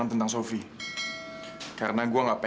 nah ini puralu lembut buat kamu sih